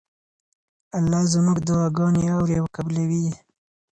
الله زموږ دعاګانې اوري او قبلوي یې.